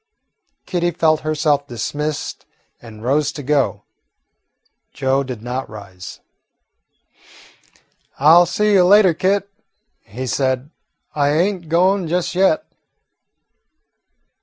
Kitty felt herself dismissed and rose to go. Joe did not rise. "I 'll see you later, Kit," he said; "I ain't goin' just yet.